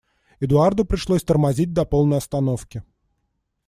Эдуарду пришлось тормозить до полной остановки.